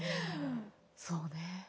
そうねえ。